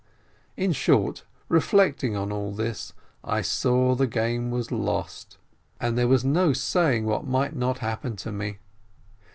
In short, reflecting on all this, I saw the game EARTH OF PALESTINE 49 was lost, and there was no saying what might not happen to me